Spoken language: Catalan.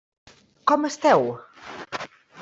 Com esteu?